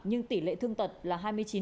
nhưng tỷ lệ thương tật là hai mươi chín